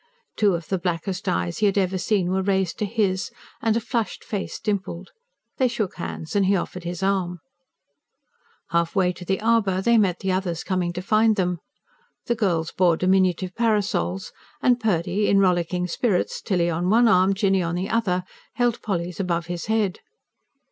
Two of the blackest eyes he had ever seen were raised to his, and a flushed face dimpled. They shook hands, and he offered his arm. Halfway to the arbour, they met the others coming to find them. The girls bore diminutive parasols; and Purdy, in rollicking spirits, Tilly on one arm, Jinny on the other, held Polly's above his head.